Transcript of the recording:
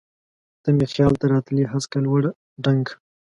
ته مي خیال ته راتلی هسکه، لوړه، دنګه